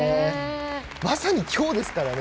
まさにきょうですからね。